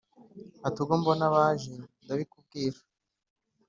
ati : ubwo mbona baje ndabikubwira